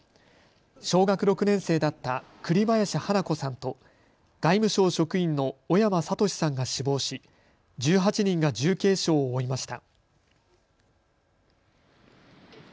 小学６年生だった栗林華子さんと外務省職員の小山智史さんが死亡し１８人が重軽傷を負いました。